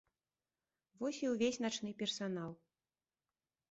Вось і ўвесь начны персанал.